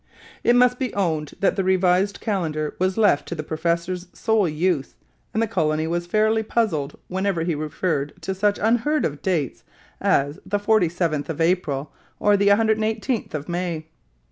It must be owned that the revised calendar was left to the professor's sole use, and the colony was fairly puzzled whenever he referred to such unheard of dates as the 47th of April or the 118th of May.